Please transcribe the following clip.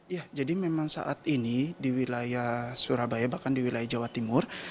ya jadi memang saat ini di wilayah surabaya bahkan di wilayah jawa timur